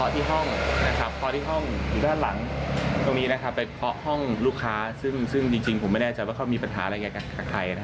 ตรงนี้ไปเคาะห้องลูกค้าซึ่งจริงผมไม่แน่ใจว่ามีปัญหาอะไรกับใคร